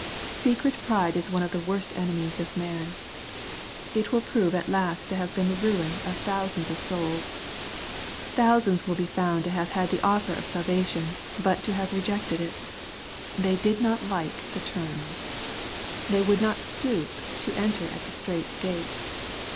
Secret pride is one of the worst enemies of man. It will prove at lest to have been the ruin of thousands of souls. Thousands will be found to have had the offer of salvation, but to have rejected it. They did not like the terms. They would not stoop to " enter in at the strait gate."